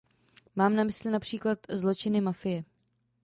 Mám na mysli například zločiny mafie.